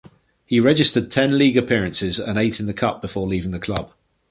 He registered ten league appearances and eight in the cup before leaving the club.